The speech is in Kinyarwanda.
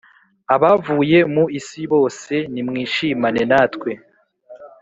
Abavuye mu isi bose nimwishimane natwe